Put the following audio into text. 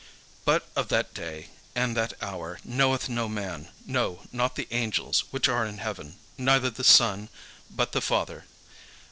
But of that day and that hour knoweth no man, no, not the angels which are in heaven, neither the Son, but the Father.